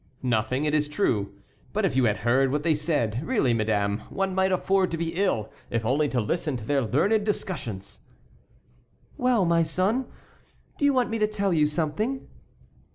"Nothing, it is true—but if you had heard what they said—really, madame, one might afford to be ill if only to listen to their learned discussions." "Well, my son, do you want me to tell you something?"